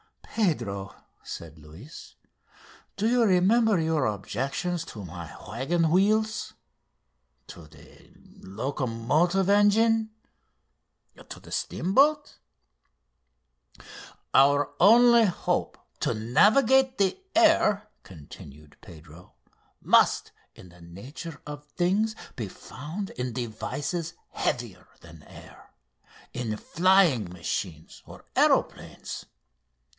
"Pedro," said Luis, "do you remember your objections to my waggon wheels?" .... "To the locomotive engine?" .... "To the steamboat?" "Our only hope to navigate the air," continued Pedro, "must, in the nature of things, be found in devices heavier than the air in flying machines or aeroplanes.